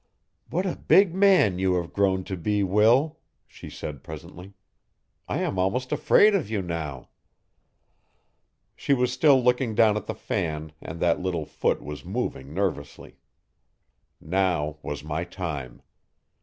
'What a big man you have grown to be Will,' she said presently. 'I am almost afraid of you now. She was still looking down at the fan and that little foot was moving nervously. Now was my time.